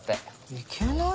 行けない？